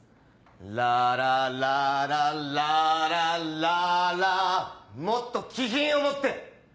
ララララララララもっと気品を持って！